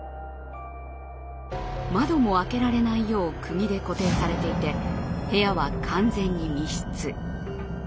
窓も開けられないようくぎで固定されていて部屋は完全に密室。